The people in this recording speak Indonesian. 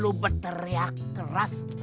lu berteriak keras